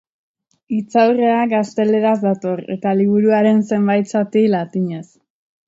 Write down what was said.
Hitzaurrea gazteleraz dator eta liburuaren zenbait zati latinez.